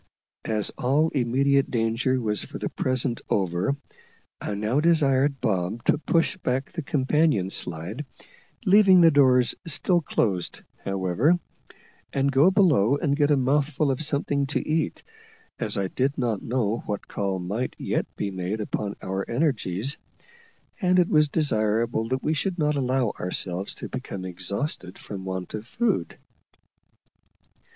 As all immediate danger was for the present over, I now desired Bob to push back the companion slide, leaving the doors still closed however, and go below and get a mouthful of something to eat, as I did not know what call might yet be made upon our energies; and it was desirable that we should not allow ourselves to become exhausted from want of food.